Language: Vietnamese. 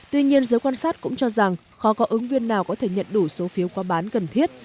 tuy nhiên giới quan sát cũng cho rằng khó có ứng viên nào có thể nhận đủ số phiếu qua bán cần thiết